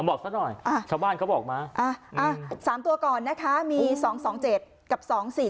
บอกซะหน่อยชาวบ้านเขาบอกมา๓ตัวก่อนนะคะมี๒๒๗กับ๒๔๔